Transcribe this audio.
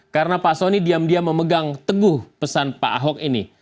karena pak soni diam diam memegang teguh pesan pak ahok ini